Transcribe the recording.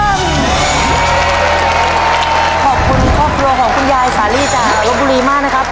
ขอบคุณครอบครัวของคุณยายสาลีจากลบบุรีมากนะครับ